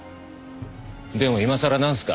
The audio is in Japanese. でも今さらなんすか？